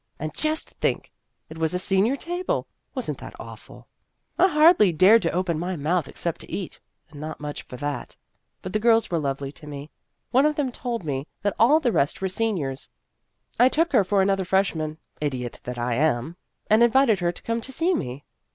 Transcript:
And just think ! It was a senior table ! Was n't that awful ? I A Superior Young Woman 197 hardly dared to open my mouth except to eat and not much for that but the girls were lovely to me. One of them told me that all the rest were seniors. I took her for another freshman (idiot that I am), and invited her to come to see me.